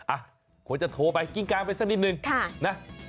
อ่ะควรจะโทรไปกิ้งกลางไปสักนิดนึงนะ